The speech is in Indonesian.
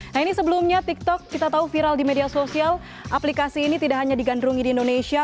nah ini sebelumnya tiktok kita tahu viral di media sosial aplikasi ini tidak hanya digandrungi di indonesia